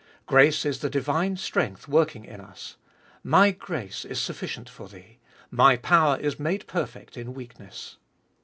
Grace is the divine strength working in us. " My grace is sufficient for thee ; my power is made perfect in weakness."